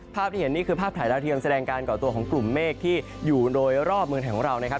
ภาพที่เห็นนี่คือภาพถ่ายดาวเทียมแสดงการก่อตัวของกลุ่มเมฆที่อยู่โดยรอบเมืองไทยของเรานะครับ